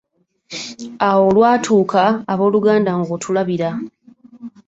Awo lwatuuka, ab’oluganda ng’otulabira.